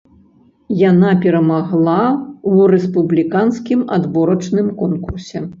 Яна перамагла ў рэспубліканскім адборачным конкурсе.